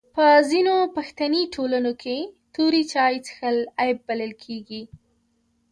په ځینو پښتني ټولنو کي توري چای چیښل عیب بلل کیږي.